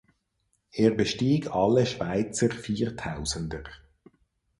Er bestieg alle Schweizer Viertausender.